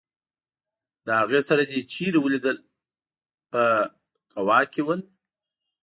له هغې سره دي چېرې ولیدل په کوا کې ول.